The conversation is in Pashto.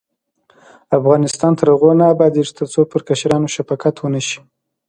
افغانستان تر هغو نه ابادیږي، ترڅو پر کشرانو شفقت ونشي.